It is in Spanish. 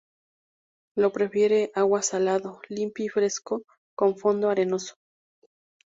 Lo prefiere agua salado, limpio y fresco, con fondo arenoso.